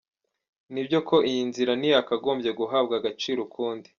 Bityo ko iyi nzira ntiyakagombye guhabwa agaciro ukundi.